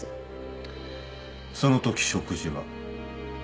そのとき食事は？